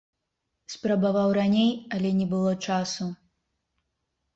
Спрабаваў раней, але не было часу.